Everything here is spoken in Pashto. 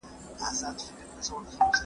د مرګي لښکري بند پر بند ماتیږي